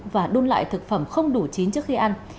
và đun lại thực phẩm không đủ chín trước khi ăn